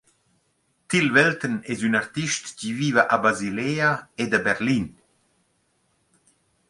Till Velten es ün artist chi viva a Basilea ed a Berlin.